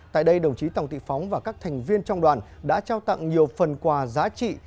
tại đây đồng chí tòng thị phóng và các thành viên trong đoàn đã trao tặng nhiều phần quà giá trị